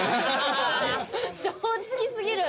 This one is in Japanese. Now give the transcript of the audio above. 正直過ぎる！